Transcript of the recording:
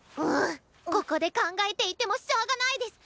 ここで考えていてもしょうがないデス！